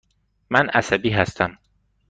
من عصبی هستم.